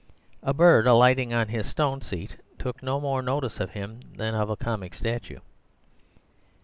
A bird alighting on his stone seat took no more notice of him than of a comic statue.